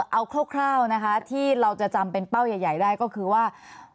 เอาคร่าวนะคะที่เราจะจำเป็นเป้าใหญ่ได้ก็คือว่า